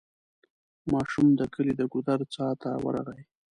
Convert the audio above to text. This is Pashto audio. ماشوم د کلي د ګودر څا ته ورغی.